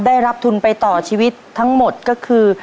ได้รับทุนไปต่อชีวิตทั้งหมดก็คือ